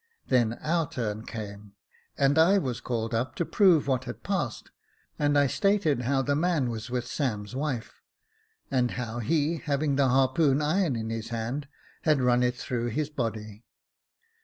Then our turn came, and I was called up to prove what had passed, and I stated how the man was with Sam's wife, and how he, having the harpoon iron in his hand, had run it through his body.